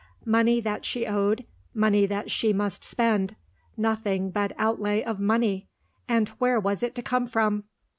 Money that she owed, money that she must spend; nothing but outlay of money and where was it to come from?